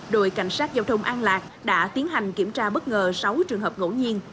đội cảnh sát giao thông an lạc đã tiến hành kiểm tra bất ngờ sáu trường hợp ngẫu nhiên